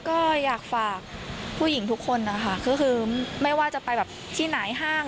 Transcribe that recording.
ก็อยากฝากผู้หญิงทุกคนนะคะก็คือไม่ว่าจะไปแบบที่ไหนห้าง